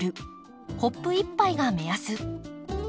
コップ１杯が目安。